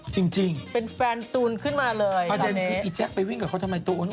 จริงเป็นแฟนตูนขึ้นมาเลยถ้าเจนคิดอีแจ๊คไปวิ่งกับเขาทำไมตูน